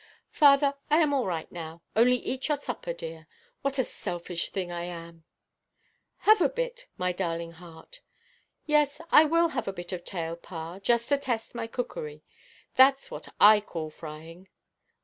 "Father, I am all right now. Only eat your supper, dear. What a selfish thing I am!" "Have a bit, my darling heart." "Yes, I will have a bit of tail, pa, just to test my cookery. Thatʼs what I call frying!